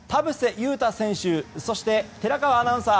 勇太選手そして、寺川アナウンサー。